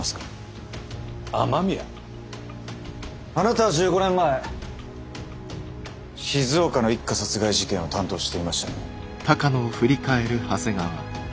あなたは１５年前静岡の一家殺害事件を担当していましたね。